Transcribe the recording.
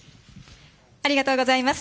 ありがとうございます。